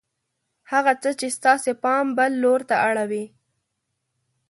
هغه څه چې ستاسې پام بل لور ته اړوي